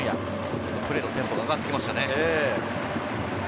ちょっとプレーのテンポが上がってきましたね。